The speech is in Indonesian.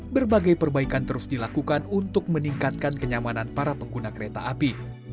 berbagai perbaikan terus dilakukan untuk meningkatkan kenyamanan para pengguna kereta api